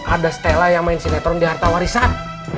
ada stella yang main sinetron di harta warisan